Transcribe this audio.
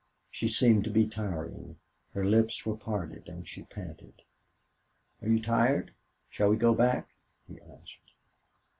She seemed to be tiring. Her lips were parted and she panted. "Are you tired? Shall we go back?" he asked.